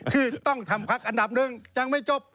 ที่ต้องทำพักอันดับหนึ่งยังไม่จบ